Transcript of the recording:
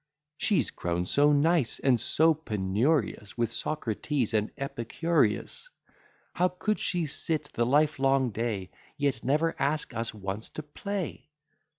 She's grown so nice, and so penurious, With Socrates and Epicurius! How could she sit the livelong day, Yet never ask us once to play?